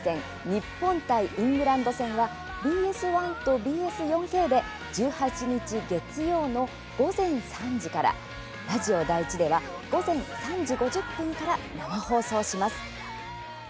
日本対イングランド戦はＢＳ１とＢＳ４Ｋで１８日、月曜の午前３時からラジオ第１では午前３時５０分から生放送します。